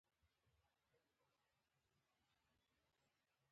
ښځې په غريو کې وويل.